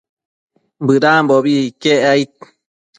Bëdambobi iquec aid